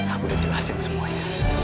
aku udah jelasin semuanya